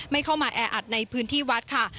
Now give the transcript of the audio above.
ไม่เข้ามาแออัดในพื้นที่วัดค่ะ